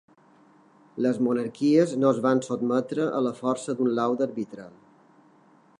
Les monarquies no es van sotmetre a la força d'un laude arbitral.